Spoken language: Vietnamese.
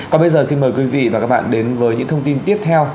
còn bây giờ xin mời quý vị và các bạn đến với những thông tin tiếp theo